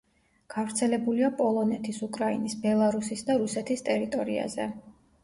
გავრცელებულია პოლონეთის, უკრაინის, ბელარუსის, და რუსეთის ტერიტორიაზე.